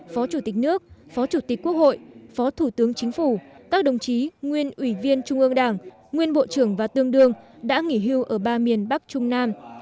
phó chủ tịch nước phó chủ tịch quốc hội phó thủ tướng chính phủ các đồng chí nguyên ủy viên trung ương đảng nguyên bộ trưởng và tương đương đã nghỉ hưu ở ba miền bắc trung nam